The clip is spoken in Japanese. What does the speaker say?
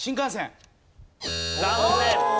残念。